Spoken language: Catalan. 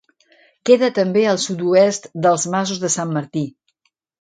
Queda també al sud-oest dels Masos de Sant Martí.